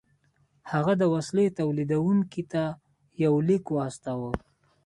هغه د وسيلې توليدوونکي ته يو ليک واستاوه.